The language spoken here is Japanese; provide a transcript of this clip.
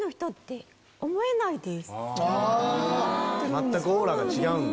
全くオーラが違うんだ。